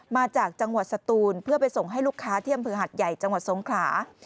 มาจากจังหวัดสตูนเพื่อไปส่งให้ลูกค้าที่อำเภอหัดใหญ่จังหวัดสงขลา